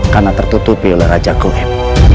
karena tertutupi oleh raja goem